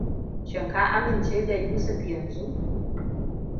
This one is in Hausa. Shin ka amince da Yusuf yanzu?